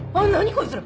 こいつら。